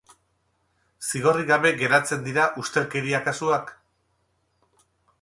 Zigorrik gabe geratzen dira ustelkeria kasuak?